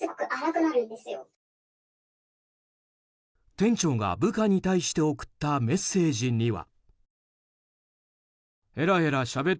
店長が部下に対して送ったメッセージには。